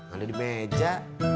ada di meja